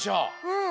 うん。